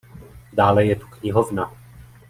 Dále je tu knihovna.